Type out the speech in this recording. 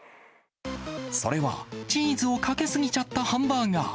それは、チーズをかけすぎちゃったハンバーガー。